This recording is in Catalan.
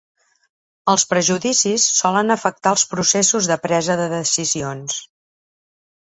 Els prejudicis solen afectar els processos de presa de decisions.